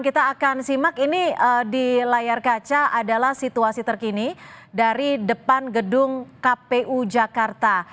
kita akan simak ini di layar kaca adalah situasi terkini dari depan gedung kpu jakarta